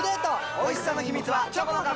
おいしさの秘密はチョコの壁！